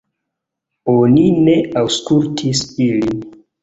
Oni ne aŭskultis ilin.